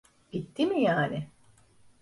Bitti mi yani?